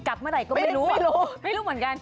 กลับเมื่อไหร่ก็ไม่รู้เหรอไม่รู้เหมือนกันไม่รู้